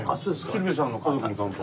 鶴瓶さんの家族に乾杯。